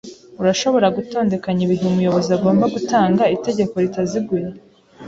Urashobora gutondekanya ibihe umuyobozi agomba gutanga itegeko ritaziguye?